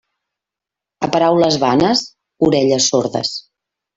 A paraules vanes, orelles sordes.